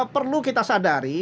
perlu kita sadari